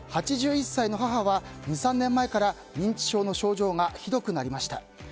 ８１歳の母は２３年前から認知症の症状がひどくなりました。